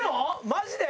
マジで？